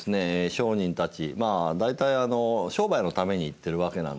商人たちまあ大体商売のために行っているわけなんですね。